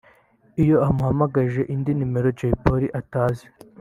Iyo amuhamagaje indi nomero Jay Polly atazi